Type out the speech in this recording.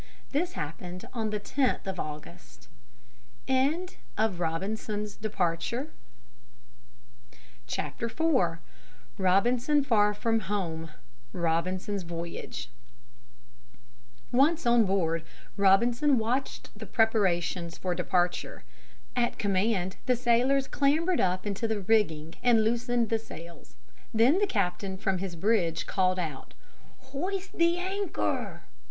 This happened on the 10th of August. [Illustration: ROBINSON AND THE CAPTAIN'S SON] IV ROBINSON FAR FROM HOME ROBINSON'S VOYAGE Once on board, Robinson watched the preparations for departure. At command the sailors clambered up into the rigging and loosened the sails. Then the captain from his bridge called out, "Hoist the anchor!"